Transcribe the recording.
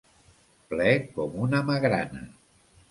Ple com una magrana.